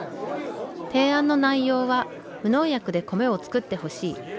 提案の内容は「無農薬で米を作ってほしい。